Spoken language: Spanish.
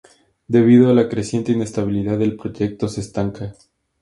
Debido a la creciente inestabilidad, el proyecto se estanca.